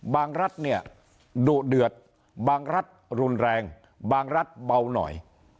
รัฐเนี่ยดุเดือดบางรัฐรุนแรงบางรัฐเบาหน่อย